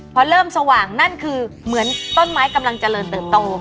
พอเริ่มสว่างนั่นคือเหมือนต้นไม้กำลังเจริญเติบโต